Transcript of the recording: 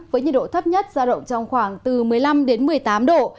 với nhiệt độ thấp nhất giao động trong khoảng từ một mươi năm đến một mươi tám độ